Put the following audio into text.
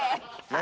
何？